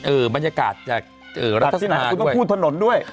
เออบรรยากาศจากเออรัฐสมัยด้วยถัดที่หนาคุณต้องพูดถนนด้วย